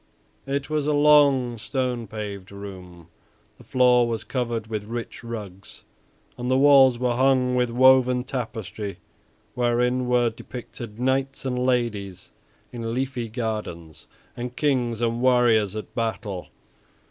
It was a long, stone paved room. The floor was covered with rich rugs and the walls were hung with woven tapestry wherein were depicted knights and ladies in leafy gardens and kings and warriors at battle.